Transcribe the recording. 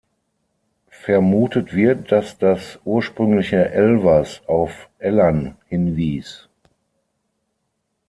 Vermutet wird, dass das ursprüngliche „Elvers“ auf Ellern hinwies.